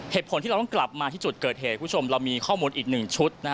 เหตุผลที่เราต้องกลับมาที่จุดเกิดเหตุคุณผู้ชมเรามีข้อมูลอีกหนึ่งชุด